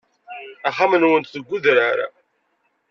Axxam-nwent deg udrar.